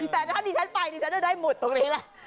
แต่ถ้าดิฉันไปดิฉันจะได้หมุดตรงนี้แหละ